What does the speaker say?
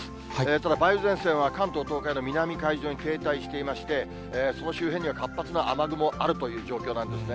ただ梅雨前線は関東、東海の南海上に停滞していまして、その周辺には活発な雨雲あるという状況なんですね。